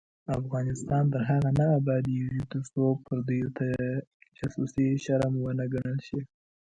افغانستان تر هغو نه ابادیږي، ترڅو پردیو ته جاسوسي شرم ونه ګڼل شي.